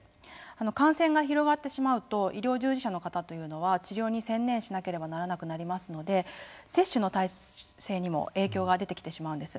感染が広がってしまうと医療従事者の方というのは治療に専念しなければならなくなりますので接種の体制にも影響が出てきてしまうんです。